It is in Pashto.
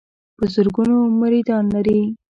په زرګونو مریدان لري.